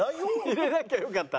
入れなきゃよかった？